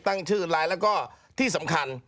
ตั้งชื่อไลน์แล้วก็ที่สำคัญ